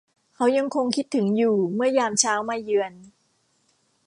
เขายังคงคิดถึงอยู่เมื่อยามเช้ามาเยือน